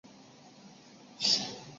维旺人口变化图示